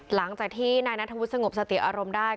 หลังจากที่นายนัทธวุฒิสงบสติอารมณ์ได้